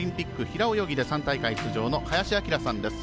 平泳ぎで３大会出場の林享さんです。